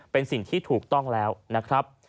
เป็นสิ่งที่ถูกต้องแล้วนะครับ